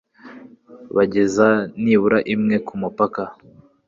bageza nibura imwe ku mupaka